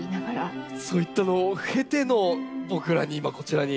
そういったのを経ての僕らに今こちらに。